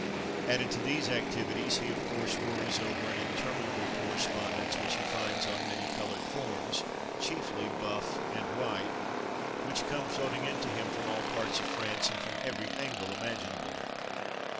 Added to these activi ties, he of course worries over an intermi nable correspondence which he finds on many coloured forms (chiefly buff and white) which come floating in to him from all parts of France and from every angle imaginable.